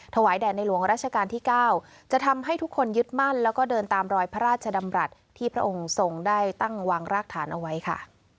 แด่ในหลวงราชการที่๙จะทำให้ทุกคนยึดมั่นแล้วก็เดินตามรอยพระราชดำรัฐที่พระองค์ทรงได้ตั้งวางรากฐานเอาไว้ค่ะ